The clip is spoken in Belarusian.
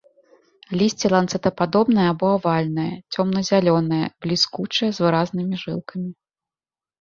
Лісце ланцэтападобнае або авальнае, цёмна-зялёнае, бліскучае, з выразнымі жылкамі.